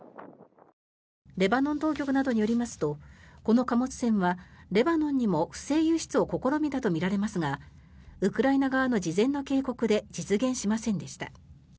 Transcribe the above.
レバノン当局などによりますとこの貨物船はレバノンにも不正輸出を試みたとみられますがウクライナ側の事前の警告で実現しませんでした。